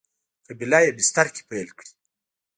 قبیله یي بستر کې پیل کړی.